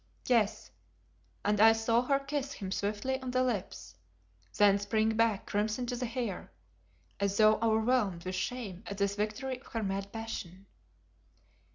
Yes; and I saw her kiss him swiftly on the lips, then spring back crimson to the hair, as though overwhelmed with shame at this victory of her mad passion.